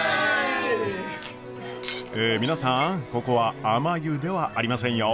え皆さんここはあまゆではありませんよ。